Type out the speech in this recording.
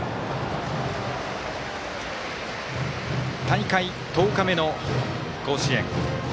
大会１０日目の甲子園。